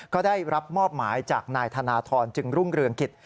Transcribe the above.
ก็ได้รับมอบหมายจากนายธนทรจึงรุ่งเรืองกิจ